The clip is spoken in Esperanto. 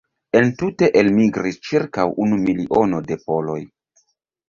Entute elmigris ĉirkaŭ unu miliono de poloj.